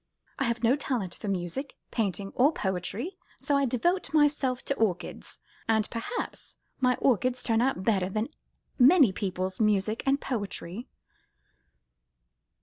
"I have no talent for music, painting, or poetry, so I devote myself to orchids; and perhaps my orchids turn out better than many people's music and poetry."